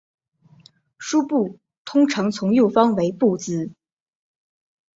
殳部通常从右方为部字。